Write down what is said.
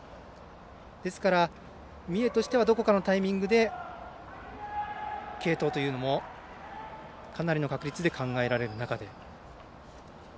ですから、三重としてはどこかのタイミングで継投というのも、かなりの確率で考えられる中で。